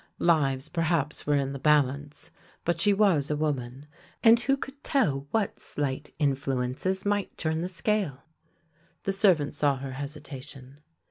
Lives perhaps were in the balance, but she was a woman, and who could tell what slight influ ences might turn the scale! The servant saw her hesitation.